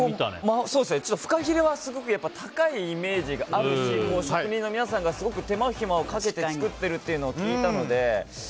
フカヒレは高いイメージがあるし職人の皆さんがすごく手間暇をかけて作っていると聞いたので。